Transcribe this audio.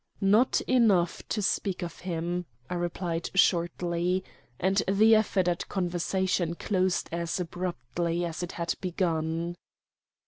"Not enough to speak of him," I replied shortly; and the effort at conversation closed as abruptly as it had begun.